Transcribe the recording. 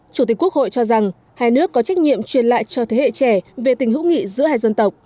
chủ tịch quốc hội cho rằng hai nước có trách nhiệm truyền lại cho thế hệ trẻ về tình hữu nghị giữa hai dân tộc